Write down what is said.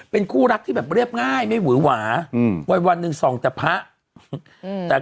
เป็นคู่รักที่แบบเรียบง่ายไม่หวือหวาวันหนึ่งส่องแต่พระอืมแต่